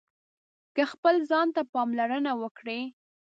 که خپل ځان ته پاملرنه وکړئ